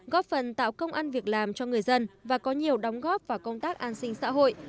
góp phần tạo công ăn việc làm cho người dân và có nhiều đóng góp vào công tác an sinh xã hội